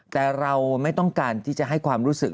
แต่เราไม่ต้องการที่จะให้ความรู้สึก